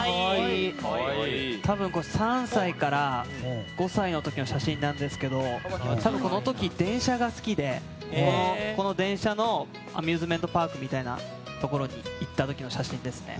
多分、３歳から５歳の時の写真なんですけどこの時、電車が好きでこの電車のアミューズメントパークに行った時の写真ですね。